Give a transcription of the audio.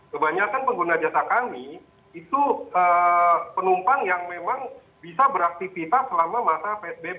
kebanyakan pengguna jasa kami itu penumpang yang memang bisa beraktivitas selama masa psbb